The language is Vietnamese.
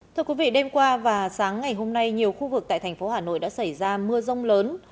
thưa quý vị đêm qua và sáng ngày hôm nay nhiều khu vực tại thành phố hà nội đã xảy ra mưa rông lớn